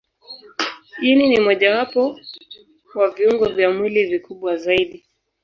Ini ni mojawapo wa viungo vya mwili vikubwa zaidi.